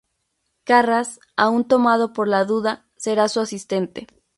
Karras, aún tomado por la duda, será su asistente.